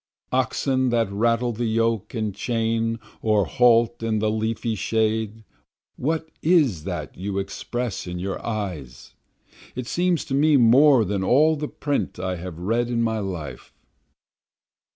Oxen that rattle the yoke and chain or halt in the leafy shade, what is that you express in your eyes? It seems to me more than all the print I have read in my life.